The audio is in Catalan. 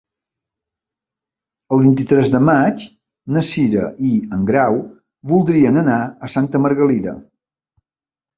El vint-i-tres de maig na Cira i en Grau voldrien anar a Santa Margalida.